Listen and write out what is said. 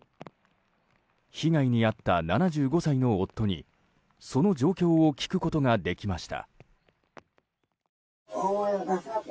被害に遭った７５歳の夫にその状況を聞くことができました。